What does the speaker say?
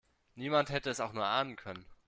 Niemand hätte es auch nur ahnen können.